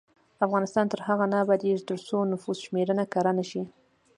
افغانستان تر هغو نه ابادیږي، ترڅو نفوس شمېرنه کره نشي.